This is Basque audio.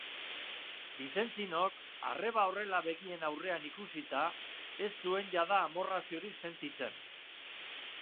Vincenzinok, arreba horrela begien aurrean ikusita, ez zuen jada amorraziorik sentitzen.